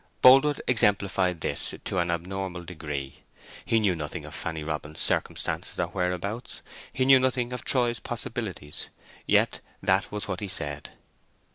Boldwood exemplified this to an abnormal degree: he knew nothing of Fanny Robin's circumstances or whereabouts, he knew nothing of Troy's possibilities, yet that was what he said.